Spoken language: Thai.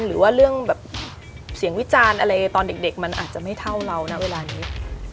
หรือว่าเรื่องแบบเสียงวิจารณ์อะไรตอนเด็กมันอาจจะไม่เท่าเรานะเวลานี้